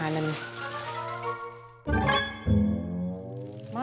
gak ada apa apa ma